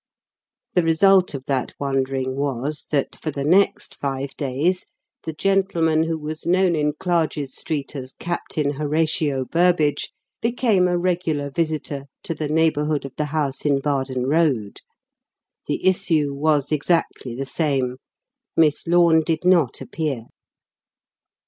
The result of that wondering was that, for the next five days, the gentleman who was known in Clarges Street as "Captain Horatio Burbage," became a regular visitor to the neighbourhood of the house in Bardon Road. The issue was exactly the same. Miss Lorne did not appear.